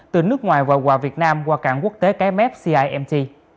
từ nước ngoài và quà việt nam qua cảng quốc tế cái mép cimt